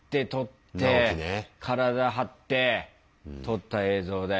体張って撮った映像だよ。